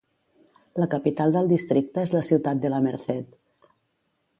La capital del districte és la ciutat de La Merced.